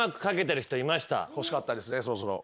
欲しかったですねそろそろ。